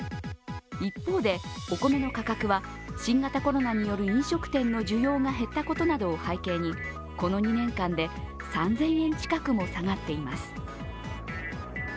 一方で、お米の価格は新型コロナによる飲食店の需要が減ったことなどを背景にこの２年間で３０００円近くも下がっています。